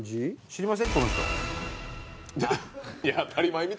知りません？